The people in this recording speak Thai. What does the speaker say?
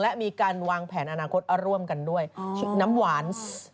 และมีการวางแผนอนาคบรงการล่วมกันด้วยชื่อน้ำหวานส์น้ำหวานส์